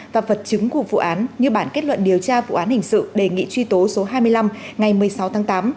và vật chứng của vụ án như bản kết luận điều tra vụ án hình sự đề nghị truy tố số hai mươi năm ngày một mươi sáu tháng tám